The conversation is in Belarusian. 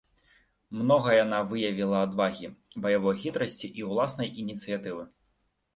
Многа яна выявіла адвагі, баявой хітрасці і ўласнай ініцыятывы.